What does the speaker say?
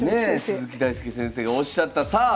鈴木大介先生がおっしゃったさあ